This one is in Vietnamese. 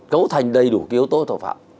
cấu thành đầy đủ cái yếu tố tội phạm